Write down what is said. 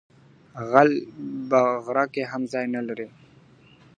غل په غره کي هم ځای نه لري .